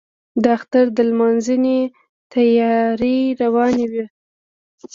د اختر د لمانځنې تیاري روانه وه.